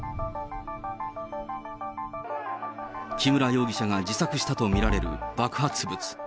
木村容疑者が自作したと見られる爆発物。